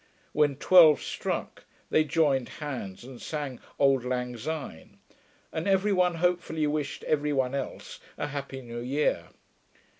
When twelve struck they joined hands and sang 'Auld Lang Syne,' and every one hopefully wished every one else a Happy new year.